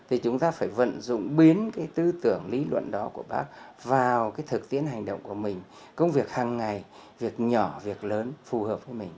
thì chúng ta phải vận dụng biến cái tư tưởng lý luận đó của bác vào cái thực tiễn hành động của mình công việc hàng ngày việc nhỏ việc lớn phù hợp với mình